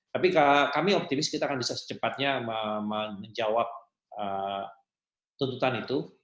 tapi kami optimis kita akan bisa secepatnya menjawab tuntutan itu